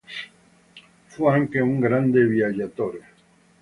Fu anche un grande viaggiatore.